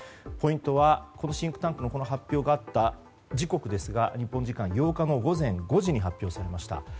ポイントは、このシンクタンクの発表があった時刻ですが日本時間８日の午前５時に発表されました。